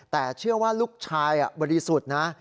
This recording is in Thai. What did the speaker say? แต่เชื่อว่าลูกชายบริสุทธิ์นะ